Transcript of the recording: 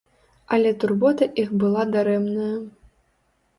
Але турбота іх была дарэмная.